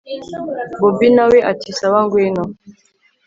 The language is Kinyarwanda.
bobi nawe ati sawa ngwino